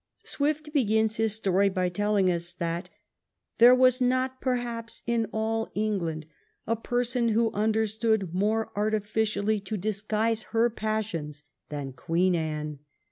Swift begins his story by telling us that " there was not, perhaps, in all England, a person who understood more artificially to disguise her passions " than Queen Anne.